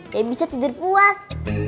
debi bisa tidur puas